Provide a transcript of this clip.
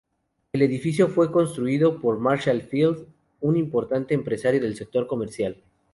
El edificio fue construido por Marshall Field, un importante empresario del sector comercial.